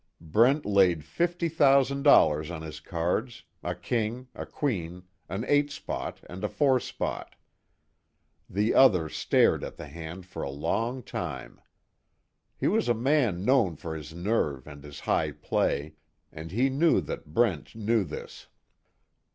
Brent laid fifty thousand dollars on his cards, a king, a queen, an eight spot and a four spot. The other stared at the hand for a long time. He was a man known for his nerve and his high play, and he knew that Brent knew this.